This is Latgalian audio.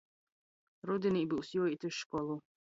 Rudinī byus juoīt iz školu.